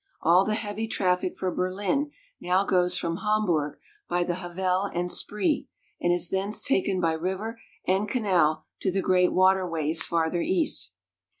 All the heavy traffic for Berlin now goes from Hamburg by the Havel and Spree, and is thence taken by river and canal to the great water ways farther east.